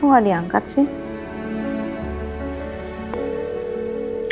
kok gak diangkat sih